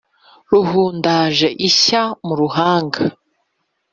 ruhundaje ishya mu ruhanga